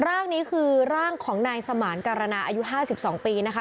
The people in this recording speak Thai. ร่างนี้คือร่างของนายสมานการณาอายุ๕๒ปีนะคะ